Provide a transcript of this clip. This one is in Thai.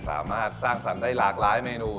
สามารถสร้างสรรค์ได้หลากหลายเมนู